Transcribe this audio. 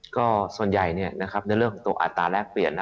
ก็ส่วนใหญ่ในเรื่องของตัวอัตราแรกเปลี่ยนนะ